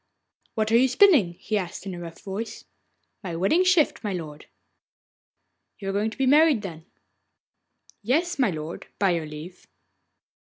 'What are you spinning?' he asked in a rough voice. 'My wedding shift, my lord.' 'You are going to be married, then?' 'Yes, my lord, by your leave.